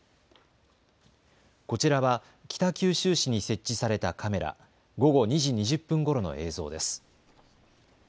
こちらは北九州市に設置されたカメラ、午後２時２０分ごろの映像です。